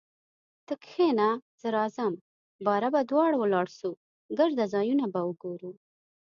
ته کښینه زه راځم باره به دواړه ولاړسو ګرده ځایونه به وګورو